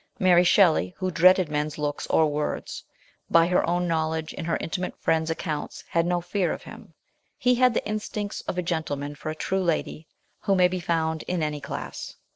Mary Shelley, who dreaded men's looks or words, by her own knowledge and her inti mate friends' accounts had no fear of him ; he had the instincts of a gentleman for a true lady, who may be found in any class.